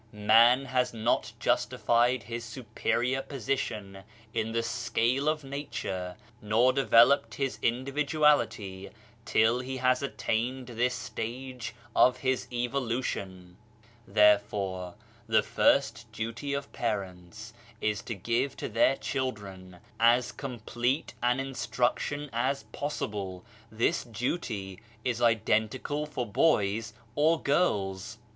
Man has not justified his superior position in the scale of nature, nor developed his individuality, till he has attained this stage of his evolution. Therefore the first duty of parents is to give to their children as complete an instruction as possible : this duty is identical for boys or girls.